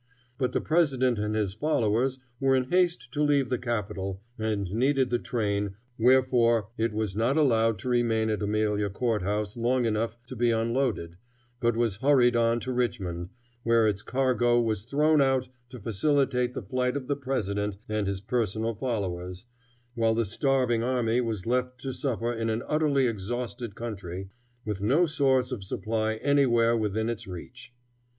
But the president and his followers were in haste to leave the capital, and needed the train, wherefore it was not allowed to remain at Amelia Court House long enough to be unloaded, but was hurried on to Richmond, where its cargo was thrown out to facilitate the flight of the president and his personal followers, while the starving army was left to suffer in an utterly exhausted country, with no source of supply anywhere within its reach.